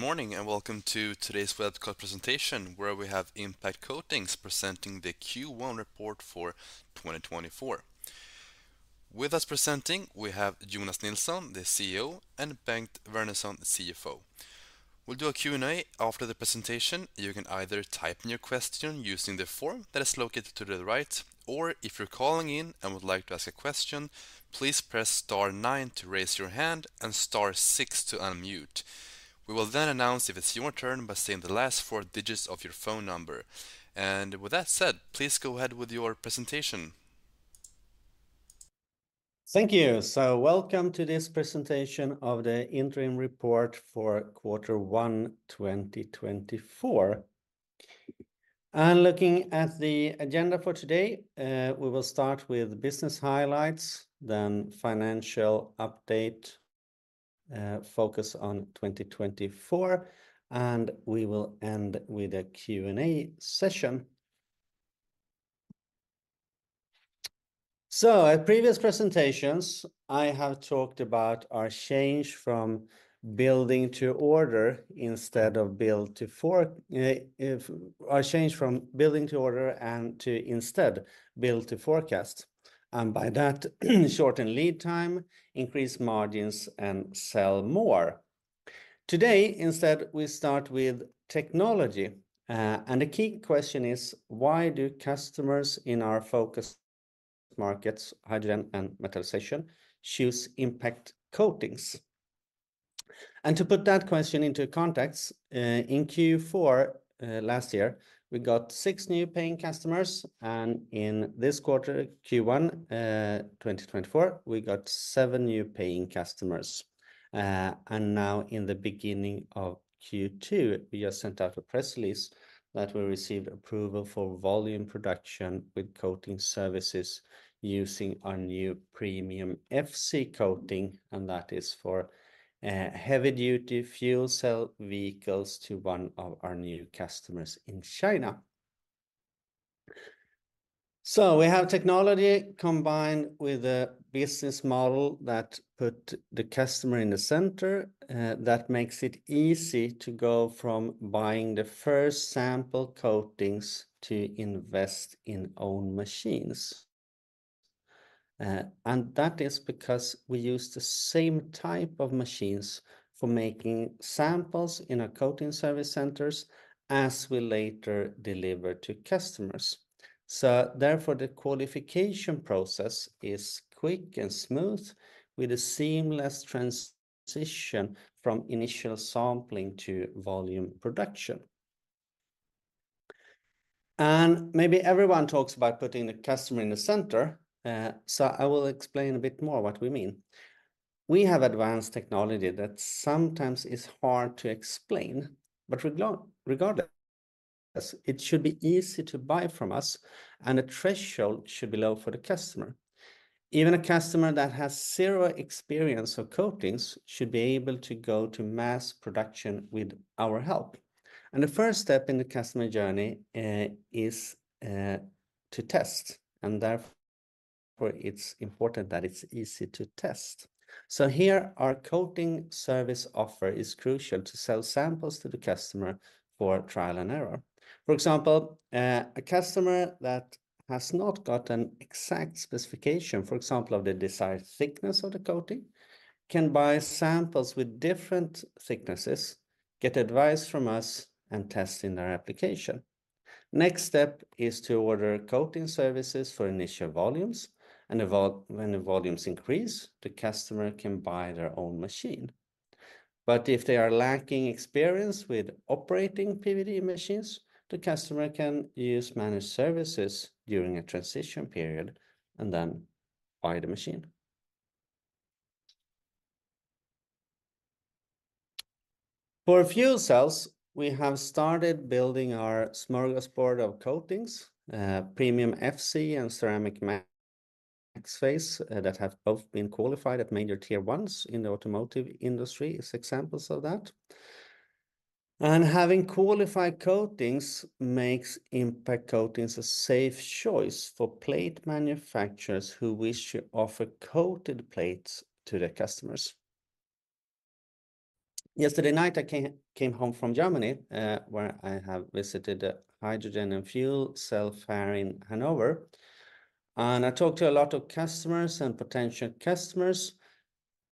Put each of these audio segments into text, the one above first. Good morning, and welcome to today's web presentation, where we have Impact Coatings presenting the Q1 report for 2024. With us presenting, we have Jonas Nilsson, the CEO, and Bengt Vernerson, CFO. We'll do a Q&A after the presentation. You can either type in your question using the form that is located to the right, or if you're calling in and would like to ask a question, please press star nine to raise your hand and star six to unmute. We will then announce if it's your turn by saying the last four digits of your phone number. With that said, please go ahead with your presentation. Thank you. So welcome to this presentation of the interim report for Q1 2024. Looking at the agenda for today, we will start with business highlights, then financial update, focus on 2024, and we will end with a Q&A session. So at previous presentations, I have talked about our change from building to order instead of build to forecast, and by that, shorten lead time, increase margins, and sell more. Today, instead, we start with technology, and the key question is: Why do customers in our focus markets, hydrogen and metallization, choose Impact Coatings? To put that question into context, in Q4 last year, we got 6 new paying customers, and in this quarter, Q1 2024, we got 7 new paying customers. And now in the beginning of Q2, we just sent out a press release that we received approval for volume production with coating services using our new Premium FC coating, and that is for heavy-duty fuel cell vehicles to one of our new customers in China. So we have technology combined with a business model that put the customer in the center, that makes it easy to go from buying the first sample coatings to invest in own machines. And that is because we use the same type of machines for making samples in our coating service centers as we later deliver to customers. So therefore, the qualification process is quick and smooth, with a seamless transition from initial sampling to volume production. And maybe everyone talks about putting the customer in the center, so I will explain a bit more what we mean. We have advanced technology that sometimes is hard to explain, but regardless, it should be easy to buy from us, and the threshold should be low for the customer. Even a customer that has zero experience of coatings should be able to go to mass production with our help. The first step in the customer journey is to test, and therefore, it's important that it's easy to test. So here, our coating service offer is crucial to sell samples to the customer for trial and error. For example, a customer that has not got an exact specification, for example, of the desired thickness of the coating, can buy samples with different thicknesses, get advice from us, and test in their application. Next step is to order coating services for initial volumes, and when the volumes increase, the customer can buy their own machine. But if they are lacking experience with operating PVD machines, the customer can use managed services during a transition period and then buy the machine. For fuel cells, we have started building our smorgasbord of coatings, Premium FC and Ceramic MAXPHASE, that have both been qualified at major Tier 1s in the automotive industry, is examples of that. Having qualified coatings makes Impact Coatings a safe choice for plate manufacturers who wish to offer coated plates to their customers. Yesterday night, I came home from Germany, where I have visited a hydrogen and fuel cell fair in Hanover, and I talked to a lot of customers and potential customers,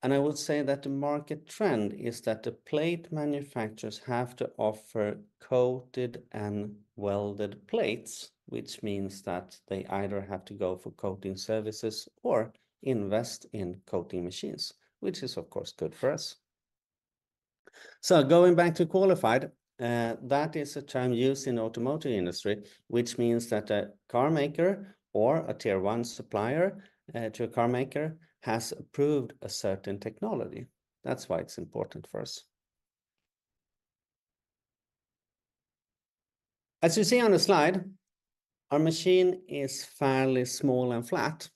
and I would say that the market trend is that the plate manufacturers have to offer coated and welded plates, which means that they either have to go for coating services or invest in coating machines, which is, of course, good for us. So going back to qualified, that is a term used in automotive industry, which means that a carmaker or a Tier 1 supplier to a carmaker has approved a certain technology. That's why it's important for us. As you see on the slide, our machine is fairly small and flat.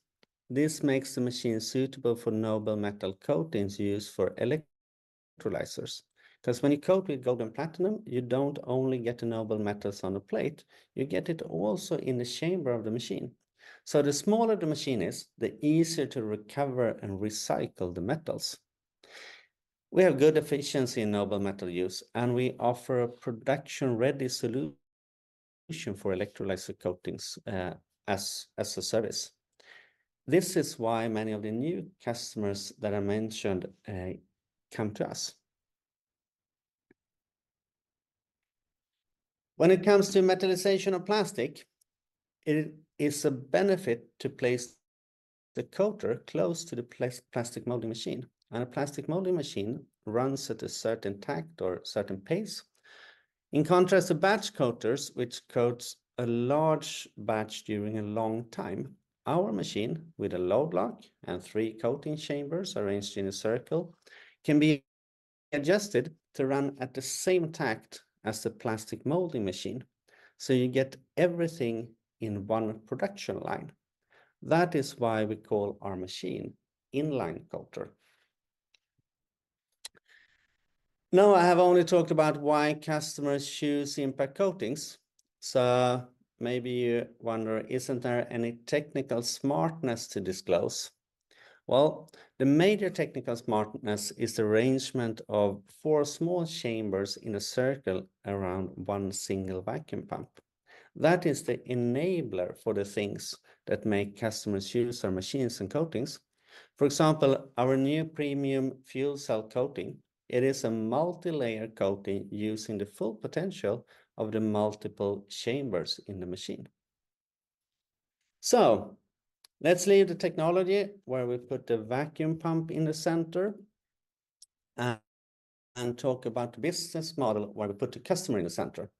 This makes the machine suitable for noble metal coatings used for electrolyzers, 'cause when you coat with gold and platinum, you don't only get the noble metals on the plate, you get it also in the chamber of the machine. So the smaller the machine is, the easier to recover and recycle the metals... We have good efficiency in noble metal use, and we offer a production-ready solution for electrolyzer coatings as a service. This is why many of the new customers that I mentioned come to us. When it comes to metallization of plastic, it is a benefit to place the coater close to the plastic molding machine, and a plastic molding machine runs at a certain takt or certain pace. In contrast to batch coaters, which coats a large batch during a long time, our machine, with a load lock and three coating chambers arranged in a circle, can be adjusted to run at the same takt as the plastic molding machine, so you get everything in one production line. That is why we call our machine InlineCoater. Now, I have only talked about why customers choose Impact Coatings, so maybe you wonder, isn't there any technical smartness to disclose? Well, the major technical smartness is the arrangement of four small chambers in a circle around one single vacuum pump. That is the enabler for the things that make customers use our machines and coatings. For example, our new premium fuel cell coating, it is a multilayer coating using the full potential of the multiple chambers in the machine. So let's leave the technology where we put the vacuum pump in the center, and talk about the business model, where we put the customer in the center.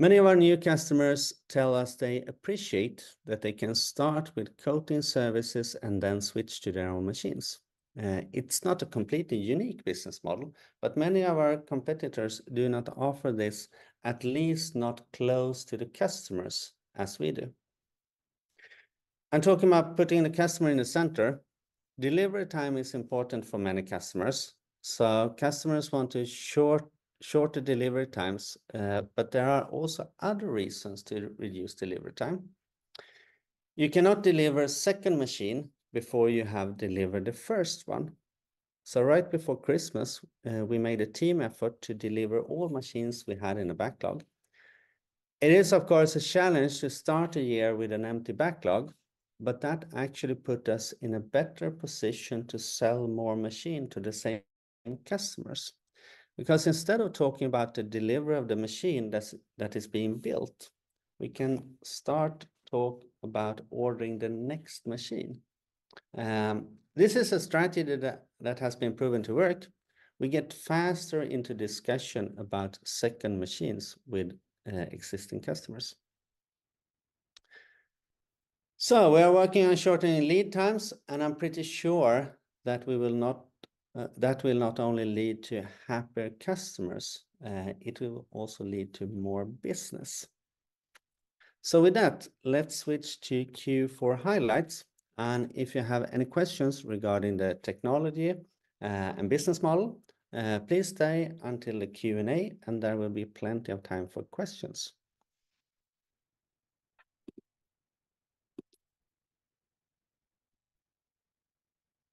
Many of our new customers tell us they appreciate that they can start with coating services and then switch to their own machines. It's not a completely unique business model, but many of our competitors do not offer this, at least not close to the customers, as we do. And talking about putting the customer in the center, delivery time is important for many customers. So customers want to short, shorter delivery times, but there are also other reasons to reduce delivery time. You cannot deliver a second machine before you have delivered the first one. So right before Christmas, we made a team effort to deliver all machines we had in the backlog. It is, of course, a challenge to start a year with an empty backlog, but that actually put us in a better position to sell more machine to the same customers. Because instead of talking about the delivery of the machine that is being built, we can start talk about ordering the next machine. This is a strategy that has been proven to work. We get faster into discussion about second machines with existing customers. So we are working on shortening lead times, and I'm pretty sure that will not only lead to happier customers, it will also lead to more business. So with that, let's switch to Q4 highlights, and if you have any questions regarding the technology and business model, please stay until the Q&A, and there will be plenty of time for questions.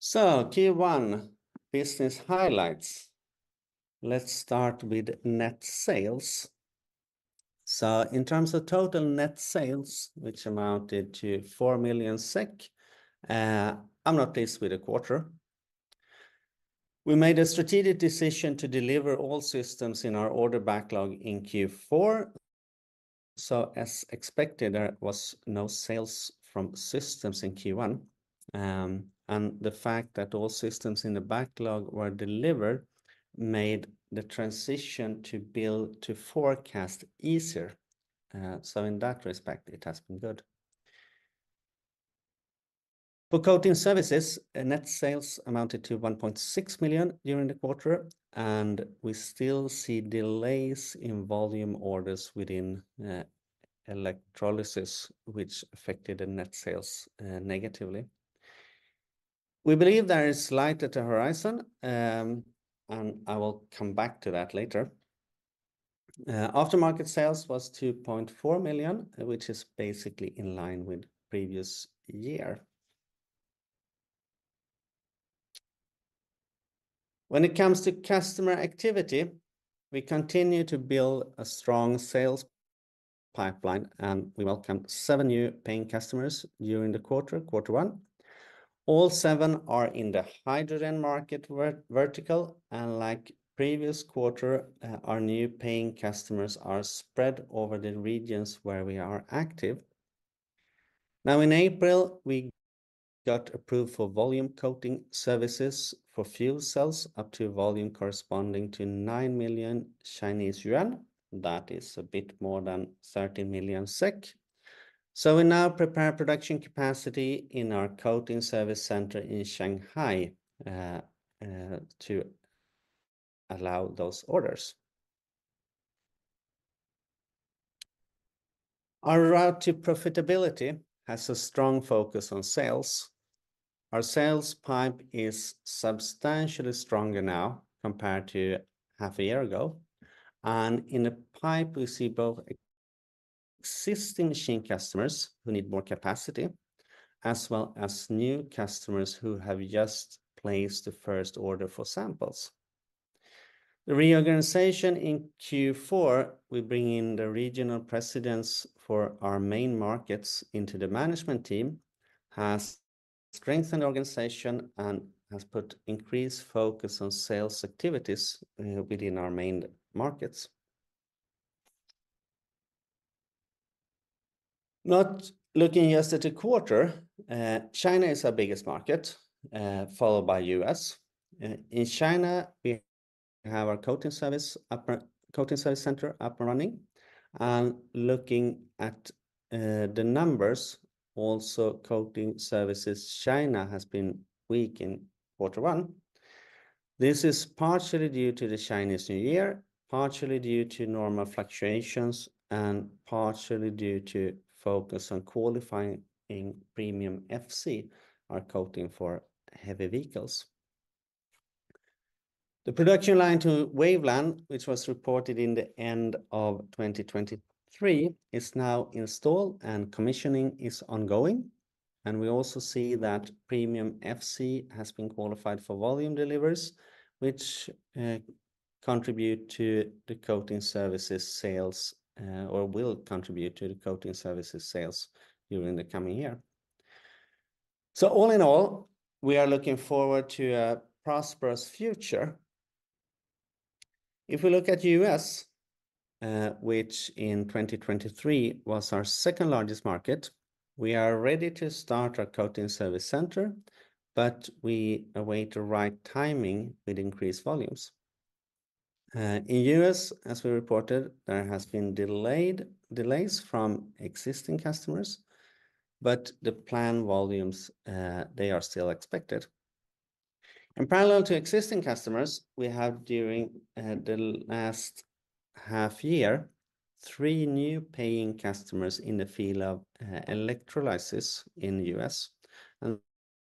Q1 business highlights. Let's start with net sales. In terms of total net sales, which amounted to 4 million SEK, I'm not pleased with the quarter. We made a strategic decision to deliver all systems in our order backlog in Q4, so as expected, there was no sales from systems in Q1. The fact that all systems in the backlog were delivered made the transition to forecast easier. In that respect, it has been good. For coating services, net sales amounted to 1.6 million during the quarter, and we still see delays in volume orders within electrolysis, which affected the net sales negatively. We believe there is light at the horizon, and I will come back to that later. Aftermarket sales was 2.4 million, which is basically in line with previous year. When it comes to customer activity, we continue to build a strong sales pipeline, and we welcomed 7 new paying customers during the quarter, quarter one. All 7 are in the hydrogen market vertical, and like previous quarter, our new paying customers are spread over the regions where we are active. Now, in April, we got approved for volume coating services for fuel cells, up to a volume corresponding to 9 million Chinese yuan. That is a bit more than 13 million SEK. So we now prepare production capacity in our coating service center in Shanghai to allow those orders. Our route to profitability has a strong focus on sales. Our sales pipe is substantially stronger now compared to half a year ago, and in the pipe, we see both-... Existing machine customers who need more capacity, as well as new customers who have just placed the first order for samples. The reorganization in Q4, we bring in the regional presidents for our main markets into the management team, has strengthened organization and has put increased focus on sales activities within our main markets. Not looking just at a quarter, China is our biggest market, followed by U.S. In China, we have our coating service center up and running. Looking at the numbers, also coating services, China has been weak in quarter one. This is partially due to the Chinese New Year, partially due to normal fluctuations, and partially due to focus on qualifying Premium FC, our coating for heavy vehicles. The production line to Waveland, which was reported in the end of 2023, is now installed and commissioning is ongoing, and we also see that Premium FC has been qualified for volume deliveries, which contribute to the coating services sales or will contribute to the coating services sales during the coming year. So all in all, we are looking forward to a prosperous future. If we look at U.S., which in 2023 was our second largest market, we are ready to start our coating service center, but we await the right timing with increased volumes. In U.S., as we reported, there has been delays from existing customers, but the planned volumes, they are still expected. Parallel to existing customers, we have, during the last half year, three new paying customers in the field of electrolysis in the U.S., and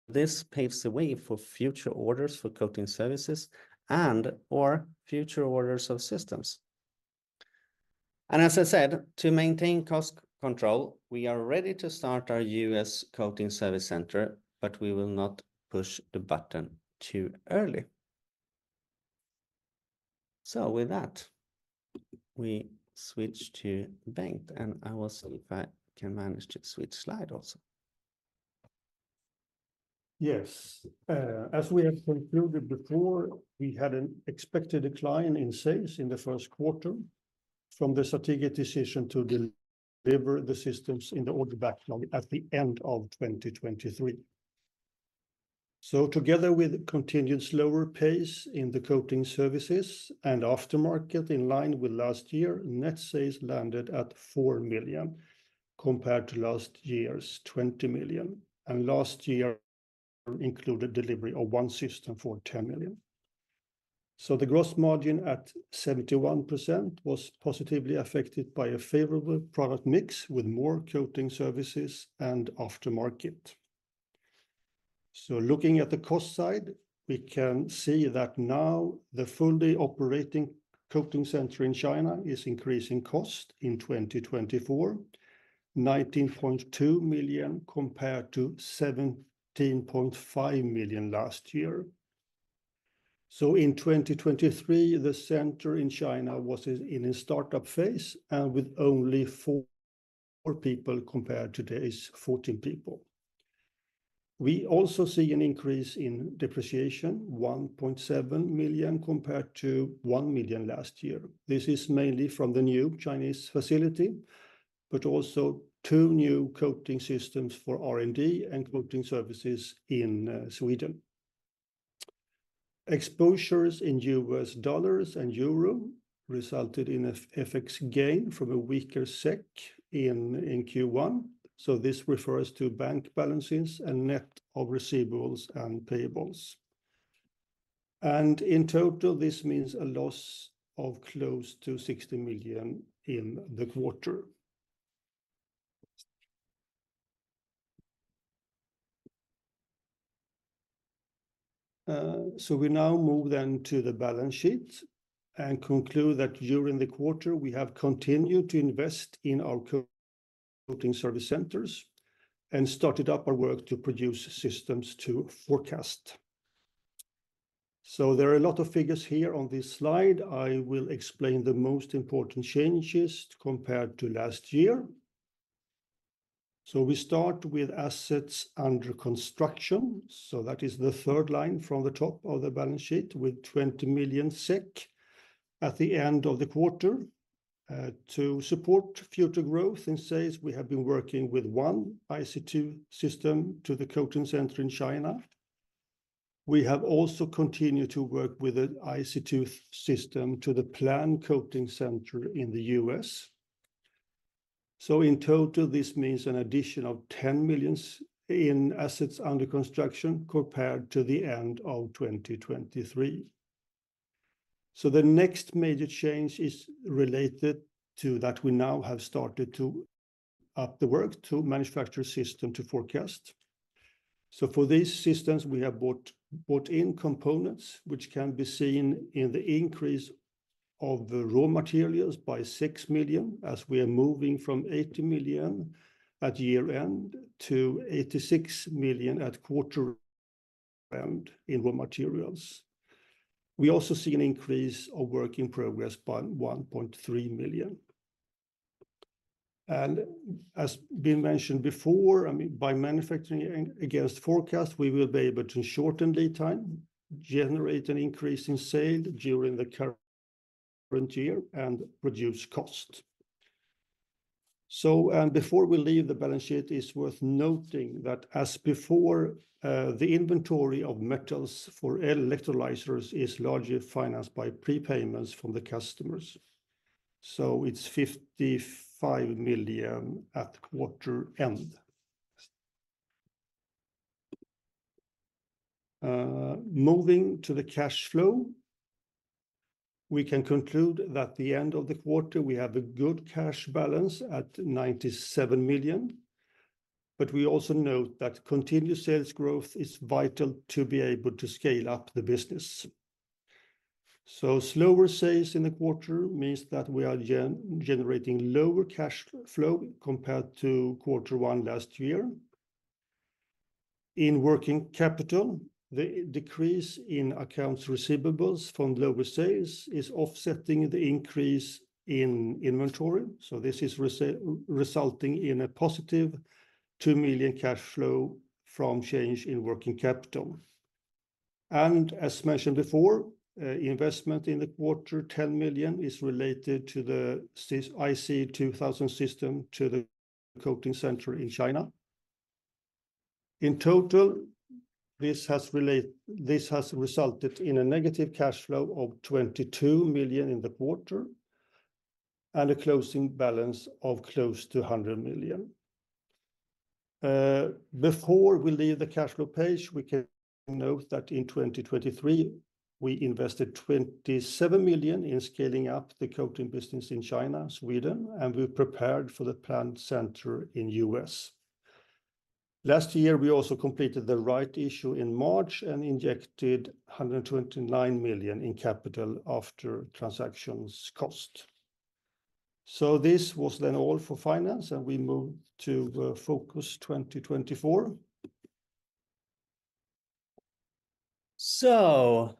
this paves the way for future orders for coating services and/or future orders of systems. And as I said, to maintain cost control, we are ready to start our U.S. coating service center, but we will not push the button too early. So with that, we switch to Bengt, and I will see if I can manage to switch slide also. Yes, as we have concluded before, we had an expected decline in sales in the first quarter from the strategic decision to deliver the systems in the order backlog at the end of 2023. So together with continued slower pace in the coating services and aftermarket, in line with last year, net sales landed at 4 million, compared to last year's 20 million, and last year included delivery of one system for 10 million. So the gross margin at 71% was positively affected by a favorable product mix, with more coating services and aftermarket. So looking at the cost side, we can see that now the fully operating coating center in China is increasing cost in 2024, 19.2 million, compared to 17.5 million last year. So in 2023, the center in China was in a startup phase and with only 4 people, compared to today's 14 people. We also see an increase in depreciation, 1.7 million, compared to 1 million last year. This is mainly from the new Chinese facility, but also 2 new coating systems for R&D and coating services in Sweden. Exposures in U.S. dollars and euro resulted in a FX gain from a weaker SEK in Q1. So this refers to bank balances and net of receivables and payables. And in total, this means a loss of close to 60 million in the quarter. So we now move then to the balance sheet and conclude that during the quarter, we have continued to invest in our coating service centers and started up our work to produce systems to forecast. There are a lot of figures here on this slide. I will explain the most important changes compared to last year. We start with assets under construction, so that is the third line from the top of the balance sheet, with 20 million SEK at the end of the quarter. To support future growth in sales, we have been working with 1 IC2000 system to the coating center in China. We have also continued to work with an IC2000 system to the planned coating center in the U.S. In total, this means an addition of 10 million in assets under construction compared to the end of 2023. The next major change is related to that we now have started to up the work to manufacture system to forecast. So for these systems, we have bought, bought in components which can be seen in the increase of the raw materials by 6 million, as we are moving from 80 million at year-end to 86 million at quarter end in raw materials. We also see an increase of work in progress by 1.3 million. As has been mentioned before, I mean, by manufacturing against forecast, we will be able to shorten lead time, generate an increase in sales during the current year, and reduce cost. And before we leave the balance sheet, it's worth noting that as before, the inventory of metals for electrolyzers is largely financed by prepayments from the customers. So it's 55 million at quarter end. Moving to the cash flow, we can conclude that at the end of the quarter, we have a good cash balance at 97 million, but we also note that continued sales growth is vital to be able to scale up the business. So slower sales in the quarter means that we are generating lower cash flow compared to quarter one last year. In working capital, the decrease in accounts receivables from lower sales is offsetting the increase in inventory, so this is resulting in a positive 2 million cash flow from change in working capital. And as mentioned before, investment in the quarter, 10 million, is related to the IC2000 system, to the coating center in China. In total, this has resulted in a negative cash flow of 22 million in the quarter and a closing balance of close to 100 million. Before we leave the cash flow page, we can note that in 2023, we invested 27 million in scaling up the coating business in China, Sweden, and we've prepared for the plant center in the US. Last year, we also completed the rights issue in March and injected 129 million in capital after transaction costs. This was then all for finance, and we move to Focus 2024. So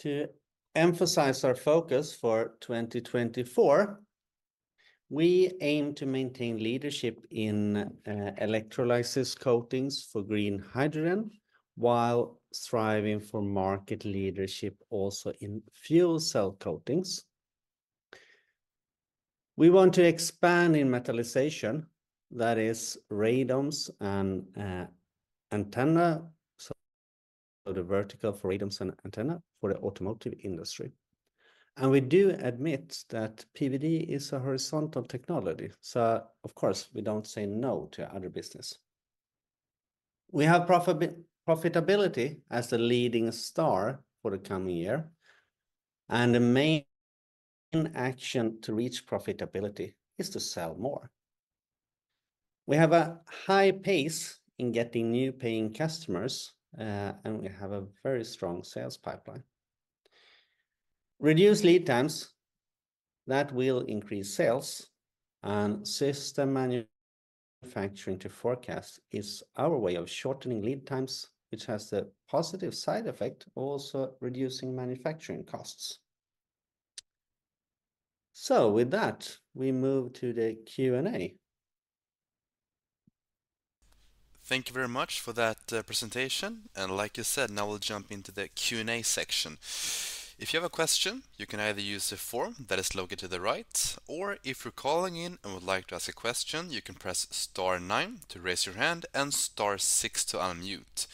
to emphasize our focus for 2024, we aim to maintain leadership in electrolysis coatings for green hydrogen, while striving for market leadership also in fuel cell coatings. We want to expand in metallization, that is radomes and antenna, so the vertical for radomes and antenna for the automotive industry. And we do admit that PVD is a horizontal technology, so of course, we don't say no to other business. We have profitability as the leading star for the coming year, and the main action to reach profitability is to sell more. We have a high pace in getting new paying customers, and we have a very strong sales pipeline. Reduce lead times, that will increase sales, and system manufacturing to forecast is our way of shortening lead times, which has the positive side effect, also reducing manufacturing costs. With that, we move to the Q&A. Thank you very much for that, presentation. And like you said, now we'll jump into the Q&A section. If you have a question, you can either use the form that is located to the right, or if you're calling in and would like to ask a question, you can press star nine to raise your hand and star six to unmute.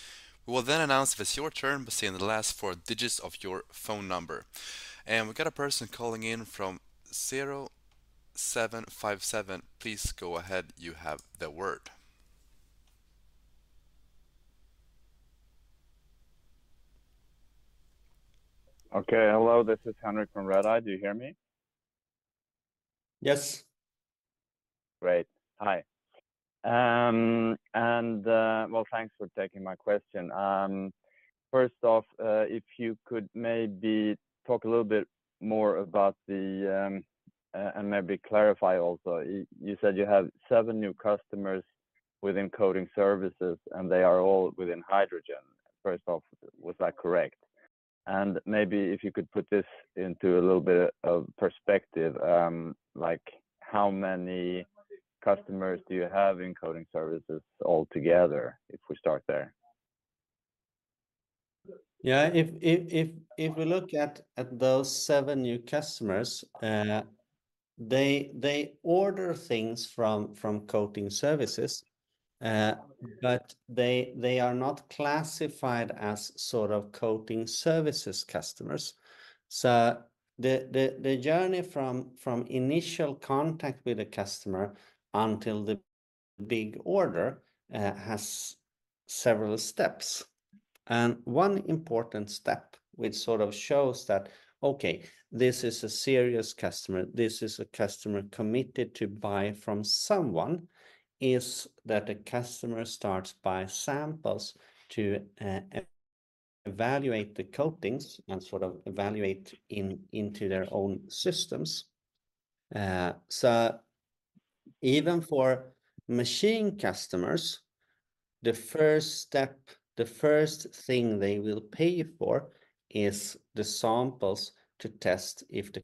We will then announce if it's your turn by saying the last four digits of your phone number. And we've got a person calling in from 0757. Please go ahead. You have the word. Okay. Hello, this is Henrik from Redeye. Do you hear me? Yes. Great. Hi. And, well, thanks for taking my question. First off, if you could maybe talk a little bit more about the, and maybe clarify also, you said you have seven new customers within coating services, and they are all within hydrogen. First off, was that correct? And maybe if you could put this into a little bit of perspective, like, how many customers do you have in coating services all together, if we start there? Yeah, if we look at those seven new customers, they order things from coating services, but they are not classified as sort of coating services customers. So the journey from initial contact with the customer until the big order has several steps, and one important step, which sort of shows that, okay, this is a serious customer, this is a customer committed to buy from someone, is that the customer starts by samples to evaluate the coatings and sort of evaluate into their own systems. So even for machine customers, the first step, the first thing they will pay for is the samples to test if the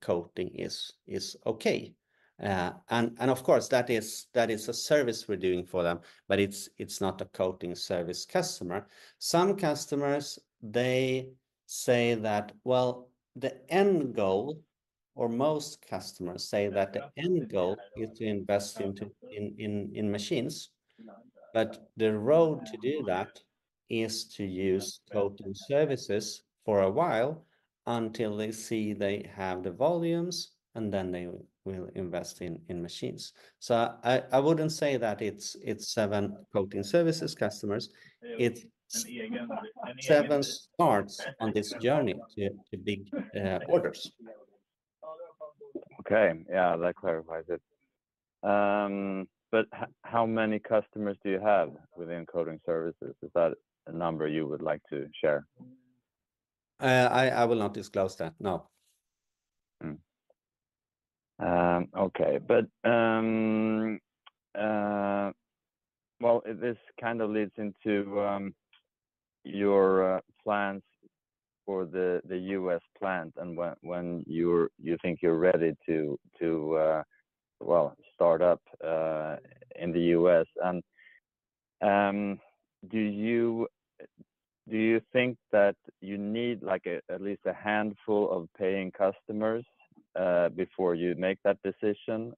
coating is okay. And of course, that is a service we're doing for them, but it's not a coating service customer. Some customers, they say that, "Well, the end goal," or most customers say that the end goal is to invest in machines. But the road to do that is to use coating services for a while, until they see they have the volumes, and then they will invest in machines. So I wouldn't say that it's seven coating services customers, it's seven starts on this journey to big orders. Okay. Yeah, that clarifies it. But how many customers do you have within coating services? Is that a number you would like to share? I will not disclose that, no. Okay. But, well, this kind of leads into your plans for the U.S. plant, and when you think you're ready to well start up in the U.S. And do you think that you need like at least a handful of paying customers before you make that decision?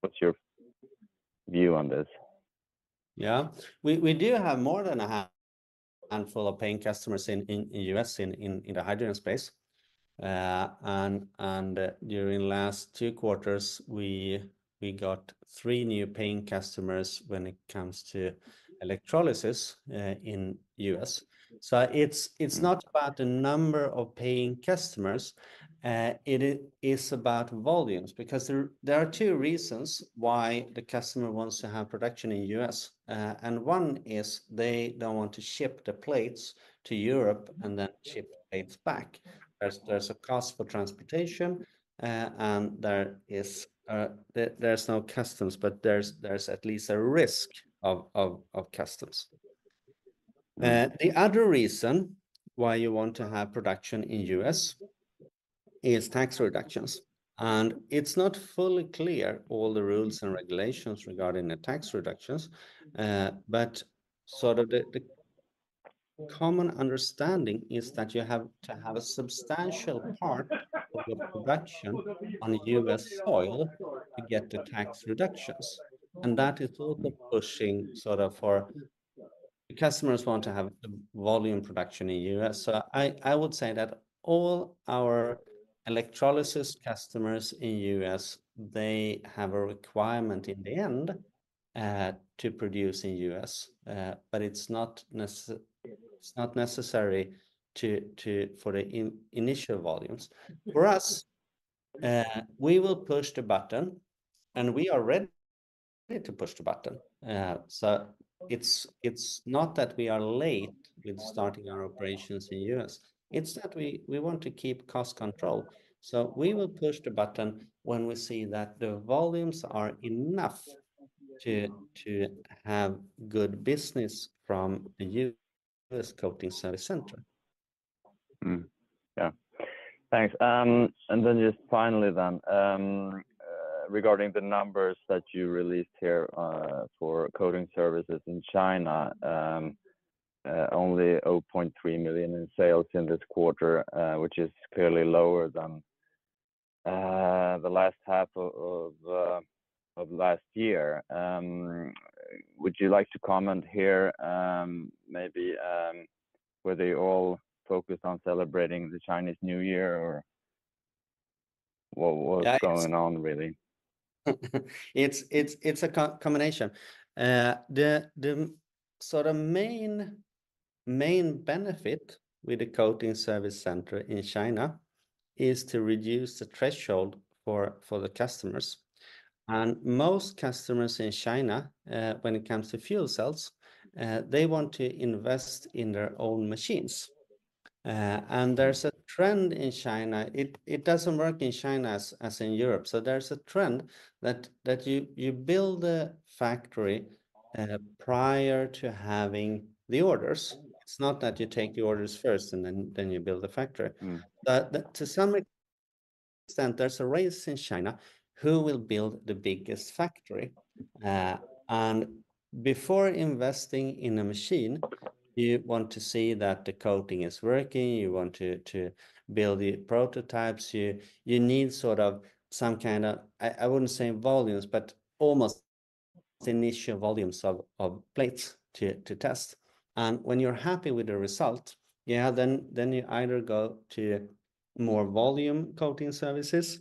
What's your view on this? Yeah. We do have more than a handful of paying customers in the U.S. in the hydrogen space. And during last two quarters, we got three new paying customers when it comes to electrolysis in the U.S. So it's not about the number of paying customers. It is about volumes. Because there are two reasons why the customer wants to have production in the U.S. And one is they don't want to ship the plates to Europe and then ship plates back. There's a cost for transportation, and there is no customs, but there's at least a risk of customs. The other reason why you want to have production in the U.S. is tax reductions. It's not fully clear all the rules and regulations regarding the tax reductions, but sort of the common understanding is that you have to have a substantial part of your production on U.S. soil to get the tax reductions. That is also pushing sort of for the customers want to have the volume production in U.S. So I would say that all our electrolysis customers in U.S., they have a requirement in the end to produce in U.S. But it's not necessary to for the initial volumes. For us, we will push the button, and we are ready to push the button. So it's not that we are late with starting our operations in U.S., it's that we want to keep cost control. So we will push the button when we see that the volumes are enough to have good business from the U.S. coating service center. Yeah. Thanks. And then just finally then, regarding the numbers that you released here, for coating services in China, only 0.3 million in sales in this quarter, which is clearly lower than the last half of last year. Would you like to comment here, maybe, were they all focused on celebrating the Chinese New Year, or what, what's going on really? It's a combination. The sort of main benefit with the coating service center in China is to reduce the threshold for the customers. And most customers in China, when it comes to fuel cells, they want to invest in their own machines. And there's a trend in China, it doesn't work in China as in Europe. So there's a trend that you build a factory prior to having the orders. It's not that you take the orders first and then you build the factory. Mm. But to some extent, there's a race in China, who will build the biggest factory? And before investing in a machine, you want to see that the coating is working, you want to build the prototypes. You need sort of some kind of, I wouldn't say volumes, but almost initial volumes of plates to test. And when you're happy with the result, yeah, then you either go to more volume coating services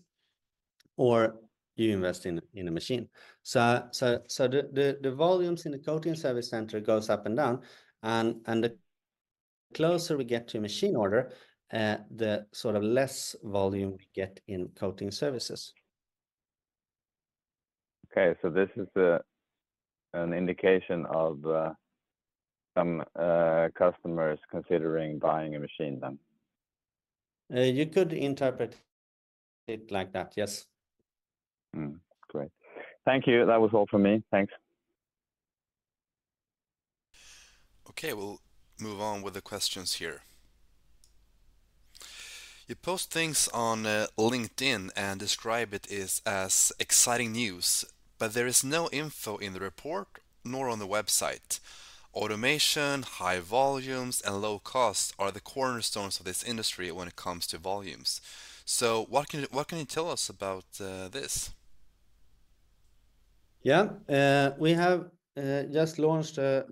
or you invest in a machine. So the volumes in the coating service center goes up and down, and the closer we get to a machine order, the sort of less volume we get in coating services. Okay, so this is an indication of some customers considering buying a machine then? You could interpret it like that, yes. Hmm, great. Thank you. That was all from me. Thanks. Okay, we'll move on with the questions here. You post things on LinkedIn and describe it as exciting news, but there is no info in the report, nor on the website. Automation, high volumes, and low costs are the cornerstones of this industry when it comes to volumes. So what can you tell us about this? Yeah. We have just launched a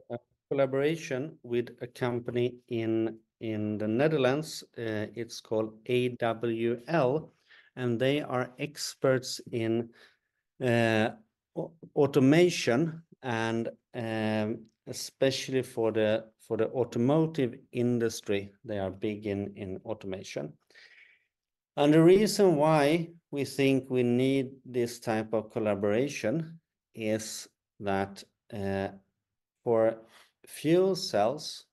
collaboration with a company in the Netherlands. It's called AWL, and they are experts in automation and especially for the automotive industry. They are big in automation. And the reason why we think we need this type of collaboration is that for fuel cells,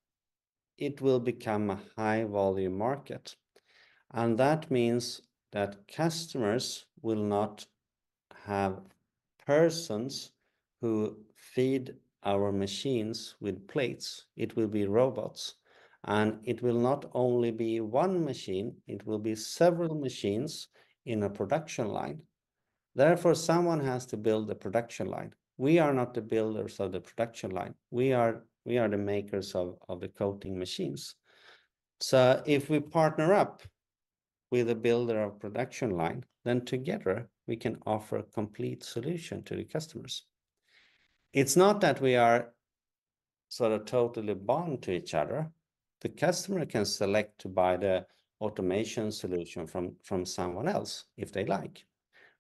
it will become a high-volume market, and that means that customers will not have persons who feed our machines with plates. It will be robots, and it will not only be one machine, it will be several machines in a production line. Therefore, someone has to build the production line. We are not the builders of the production line. We are the makers of the coating machines. If we partner up with a builder of production line, then together we can offer a complete solution to the customers. It's not that we are sort of totally bound to each other. The customer can select to buy the automation solution from someone else if they like.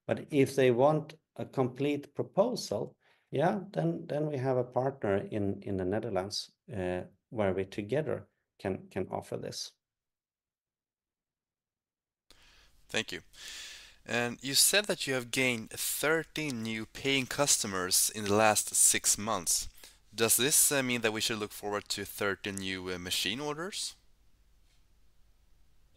But if they want a complete proposal, yeah, then we have a partner in the Netherlands, where we together can offer this. Thank you. You said that you have gained 13 new paying customers in the last 6 months. Does this mean that we should look forward to 13 new machine orders?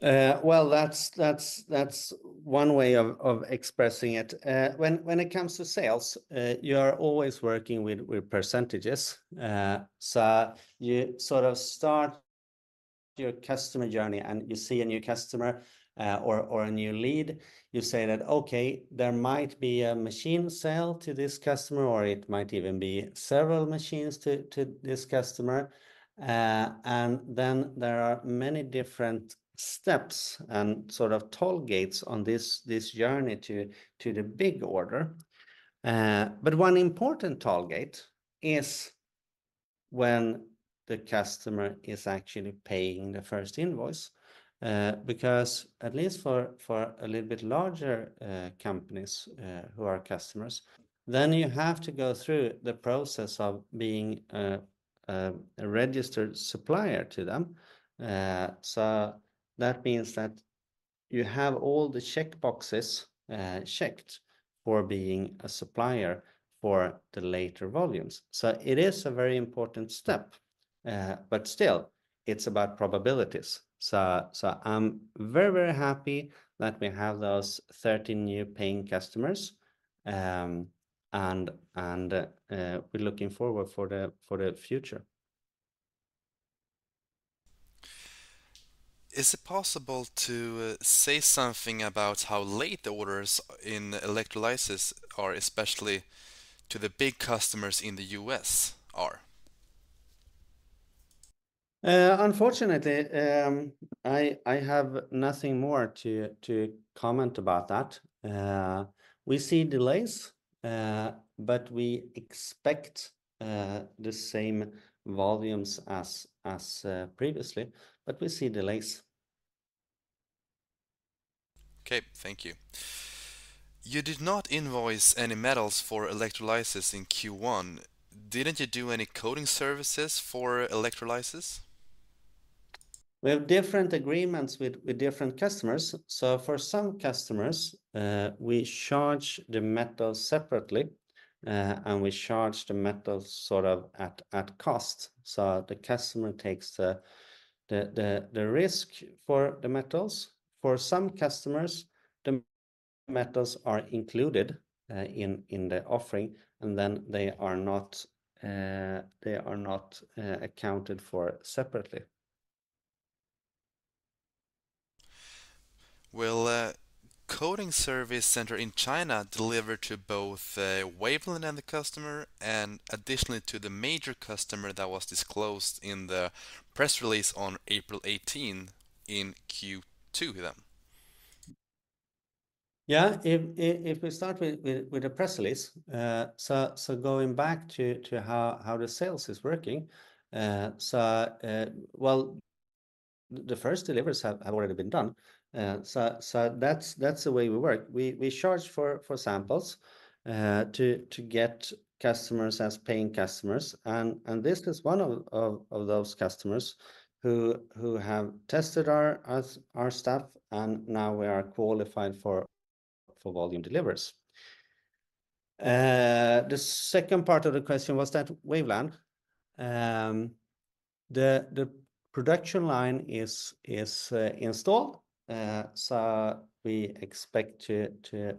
Well, that's one way of expressing it. When it comes to sales, you are always working with percentages. So you sort of start your customer journey and you see a new customer, or a new lead. You say that, "Okay, there might be a machine sale to this customer, or it might even be several machines to this customer." And then there are many different steps and sort of toll gates on this journey to the big order. But one important toll gate is when the customer is actually paying the first invoice, because at least for a little bit larger companies, who are customers, then you have to go through the process of being a registered supplier to them. So that means that you have all the check boxes checked for being a supplier for the later volumes. So it is a very important step, but still it's about probabilities. So I'm very, very happy that we have those 13 new paying customers, and we're looking forward for the future. Is it possible to say something about how late the orders in electrolysis are, especially to the big customers in the U.S. are? Unfortunately, I have nothing more to comment about that. We see delays, but we expect the same volumes as previously, but we see delays. Okay, thank you. You did not invoice any metals for electrolysis in Q1. Didn't you do any coating services for electrolysis? We have different agreements with different customers. So for some customers, we charge the metal separately, and we charge the metal sort of at cost. So the customer takes the risk for the metals. For some customers, the metals are included in the offering, and then they are not accounted for separately. Will, coating service center in China deliver to both, Waveland and the customer, and additionally to the major customer that was disclosed in the press release on April 18 in Q2 then? Yeah. If we start with the press release, so going back to how the sales is working, well, the first deliveries have already been done. So that's the way we work. We charge for samples to get customers as paying customers, and this is one of those customers who have tested our stuff, and now we are qualified for volume deliveries. The second part of the question was that Waveland. The production line is installed, so we expect to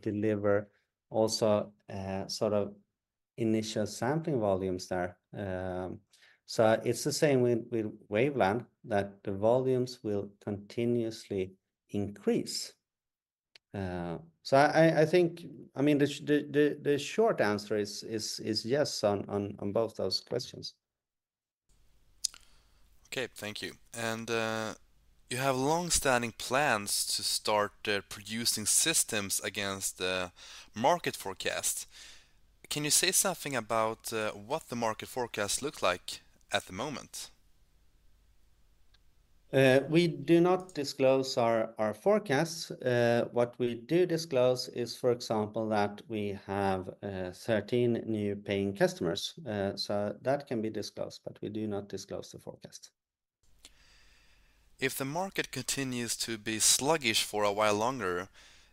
deliver also sort of initial sampling volumes there. So it's the same with Waveland, that the volumes will continuously increase. So, I think—I mean, the short answer is yes on both those questions. Okay, thank you. You have long-standing plans to start producing systems against the market forecast. Can you say something about what the market forecast looks like at the moment? We do not disclose our forecasts. What we do disclose is, for example, that we have 13 new paying customers. So that can be disclosed, but we do not disclose the forecast. If the market continues to be sluggish for a while longer,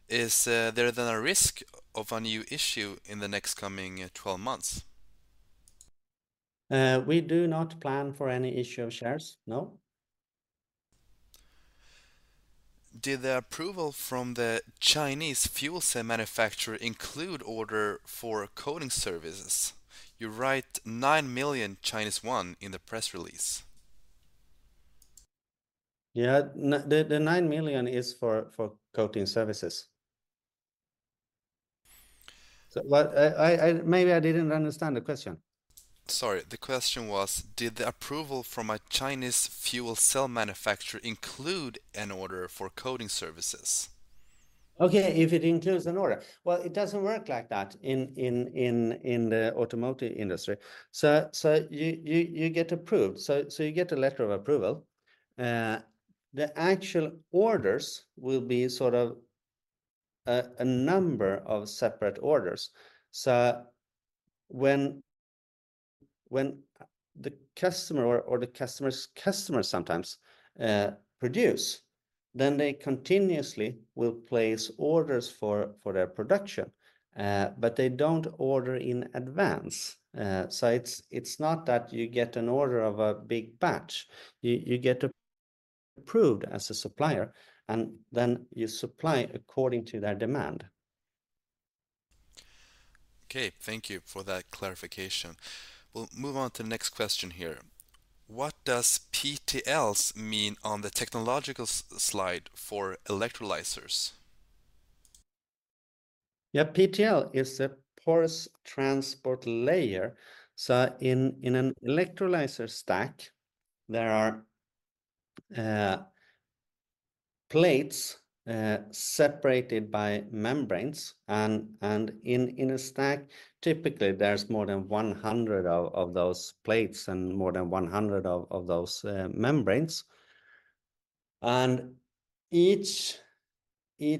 is there then a risk of a new issue in the next coming 12 months? We do not plan for any issue of shares, no. Did the approval from the Chinese fuel cell manufacturer include order for coating services? You write 9 million in the press release. Yeah. The 9 million is for coating services. So what I... Maybe I didn't understand the question. Sorry, the question was: Did the approval from a Chinese fuel cell manufacturer include an order for coating services? Okay, if it includes an order. Well, it doesn't work like that in the automotive industry. So you get approved. So you get a letter of approval. The actual orders will be sort of a number of separate orders. So when the customer or the customer's customer sometimes produce, then they continuously will place orders for their production, but they don't order in advance. So it's not that you get an order of a big batch. You get approved as a supplier, and then you supply according to their demand. Okay, thank you for that clarification. We'll move on to the next question here. What does PTLs mean on the technological slide for electrolyzers? Yeah, PTL is a porous transport layer, so in an electrolyzer stack, there are plates separated by membranes, and in a stack, typically, there's more than 100 of those plates and more than 100 of those membranes. And each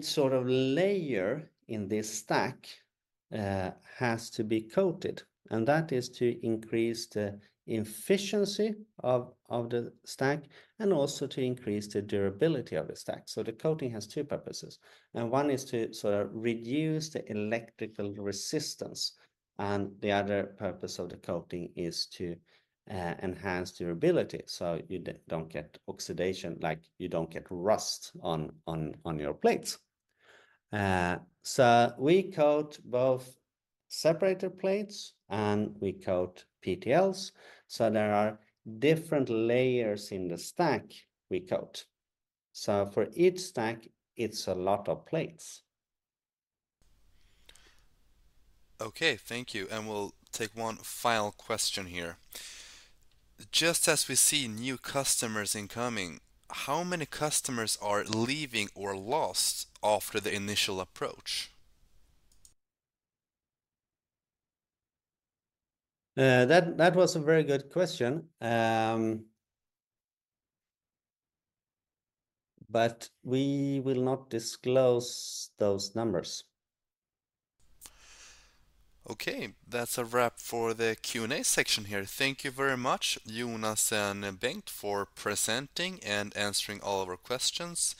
sort of layer in this stack has to be coated, and that is to increase the efficiency of the stack and also to increase the durability of the stack. So the coating has two purposes, and one is to sort of reduce the electrical resistance, and the other purpose of the coating is to enhance durability, so you don't get oxidation, like you don't get rust on your plates. So we coat both separator plates, and we coat PTLs, so there are different layers in the stack we coat. For each stack, it's a lot of plates. Okay, thank you, and we'll take one final question here. Just as we see new customers incoming, how many customers are leaving or lost after the initial approach? That was a very good question. But we will not disclose those numbers. Okay, that's a wrap for the Q&A section here. Thank you very much, Jonas and Bengt, for presenting and answering all of our questions.